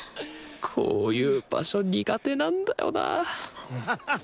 こういう場所苦手なんだよなハハハ